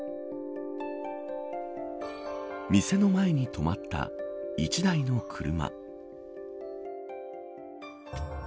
店の前に止まった１台の車。